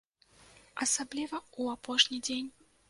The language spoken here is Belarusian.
Асабліва ў апошні дзень.